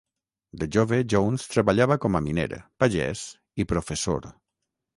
De jove, Jones treballava com a miner, pagès i professor.